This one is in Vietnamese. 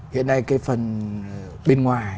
hiện nay cái phần bên ngoài